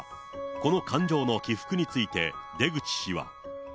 この感情の起伏について出口氏は。